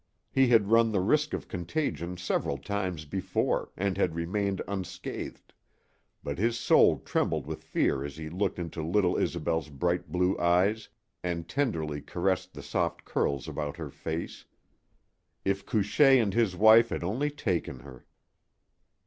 He had run the risk of contagion several times before and had remained unscathed, but his soul trembled with fear as he looked into little Isobel's bright blue eyes and tenderly caressed the soft curls about her face, If Couchée and his wife had only taken her!